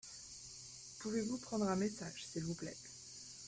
Pouvez-vous prendre un message s'il vous plait ?